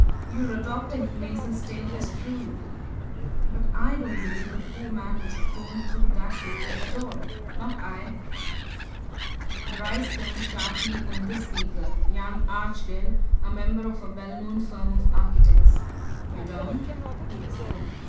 "You're adopting the mason's tale as true. But I don't believe the poor man was thrown through that doorway at all not I!" Bryce turned sharply on this speaker young Archdale, a member of a well known firm of architects. "You don't?" he exclaimed.